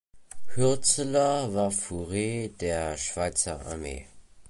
Hürzeler war Fourier der Schweizer Armee.